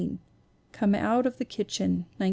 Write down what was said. Come Out of the Kitchen, 1916.